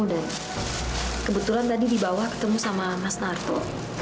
dan kebetulan tadi di bawah ketemu sama mas narto